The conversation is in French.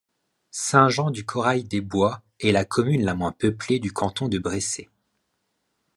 Saint-Jean-du-Corail-des-Bois est la commune la moins peuplée du canton de Brécey.